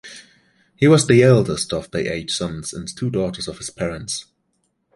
He was the eldest of the eight sons and two daughters of his parents.